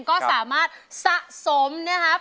ก็สามารถสะสมนะครับ